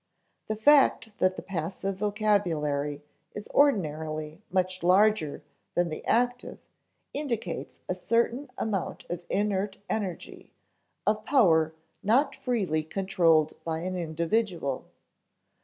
The fact that the passive vocabulary is ordinarily much larger than the active indicates a certain amount of inert energy, of power not freely controlled by an individual.